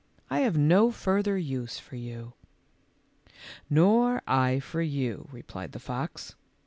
I have no further use for you." "Nor I for you," replied the fox.